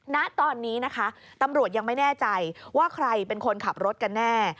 ณตอนนี้นะคะตำรวจยังไม่แน่ใจว่าใครเป็นคนขับรถกันแน่